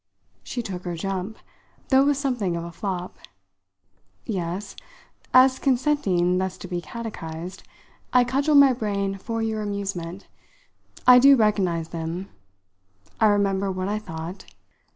She took her jump, though with something of a flop. "Yes as, consenting thus to be catechised, I cudgel my brain for your amusement I do recognise them. I remember what I thought.